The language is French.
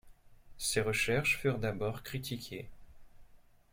Ses recherches furent d'abord critiquées.